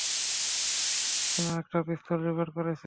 চিনো একটা পিস্তল জোগাড় করেছে।